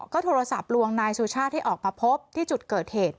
ก็โทรศัพท์ลวงนายสุชาติให้ออกมาพบที่จุดเกิดเหตุ